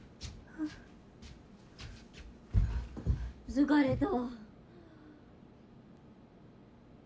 疲れた。